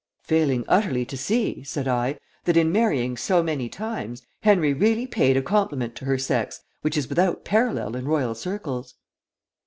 "Failing utterly to see," said I, "that, in marrying so many times, Henry really paid a compliment to her sex which is without parallel in royal circles."